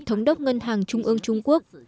thống đốc ngân hàng trung ương trung quốc